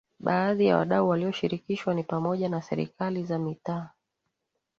Baadhi ya wadau walioshirikishwa ni pamoja na Serikali za mitaa